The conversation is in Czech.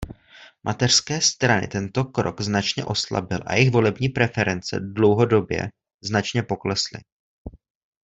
Mateřské strany tento krok značně oslabil a jejich volební preference dlouhodobě značně poklesly.